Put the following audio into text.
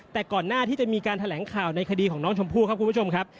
แต่ก่อนหน้าที่จะมีการแถลงข่าวในคดีของน้องชมพู่ครับคุณผู้ชมครับ